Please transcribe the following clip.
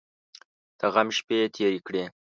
د غم شپې یې تېرې کړې.